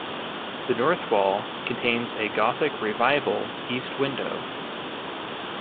The north wall contains a Gothic Revival east window.